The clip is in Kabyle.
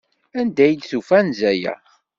Anda ay d-tufa anza-a?